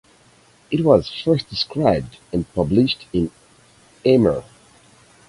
It was first described and published in Amer.